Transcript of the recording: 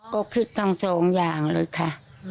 ก็คิดทั้งสองอย่างเลยค่ะ